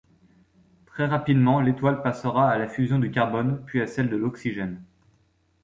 Très rapidement, l'étoile passera à la fusion du carbone, puis à celle de l'oxygène.